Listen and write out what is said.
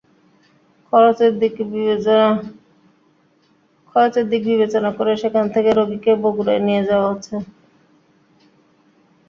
খরচের দিক বিবেচনা করে সেখান থেকে রোগীকে বগুড়ায় নিয়ে যাওয়া হচ্ছে।